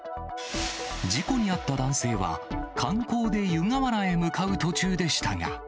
事故に遭った男性は、観光で湯河原へ向かう途中でしたが。